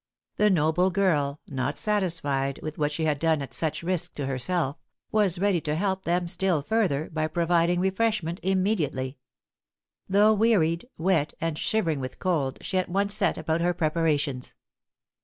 The noble girl, not satisfied with what she had done at such risk to herself, was ready to help them still further by providing refreshment immediately. Though wearied, wet, and shivering with cold, she at once set about her preparations.